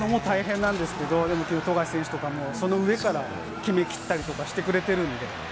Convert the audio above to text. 打つのも大変なんですけれども、富樫選手とかその上から決め切ったりとかしてくれているので。